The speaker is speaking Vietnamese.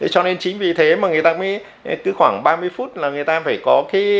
cho nên chính vì thế mà người ta cứ khoảng ba mươi phút là người ta phải có